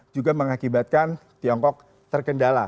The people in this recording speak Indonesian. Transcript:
juga mengakibatkan tiongkok terkendala